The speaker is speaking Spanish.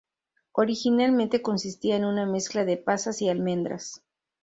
Originalmente consistía en una mezcla de pasas y almendras.